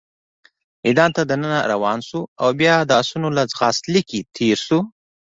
میدان ته دننه روان شوو، او بیا د اسونو له ځغاست لیکې تېر شوو.